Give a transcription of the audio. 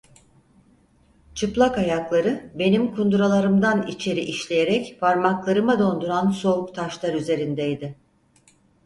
Çıplak ayakları, benim kunduralarımdan içeri işleyerek parmaklarımı donduran soğuk taşlar üzerindeydi.